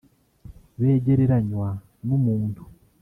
Begereranywa n’umuntu